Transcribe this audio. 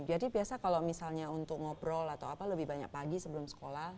jadi biasa kalau misalnya untuk ngobrol atau apa lebih banyak pagi sebelum sekolah